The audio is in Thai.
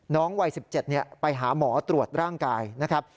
วัย๑๗ไปหาหมอตรวจร่างกายนะครับ